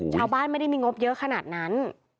ชาวบ้านไม่ได้มีงบเยอะขนาดนั้น